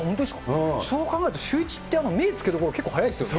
そう考えると、シューイチって目つけどころ、結構早いですね。